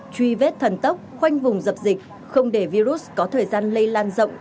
truy vết thần tốc khoanh vùng dập dịch không để virus có thời gian lây lan rộng